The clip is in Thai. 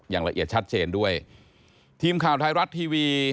อย่างละเอียดชัดเจนด้วยทีมข่าวไทยรัฐทีวี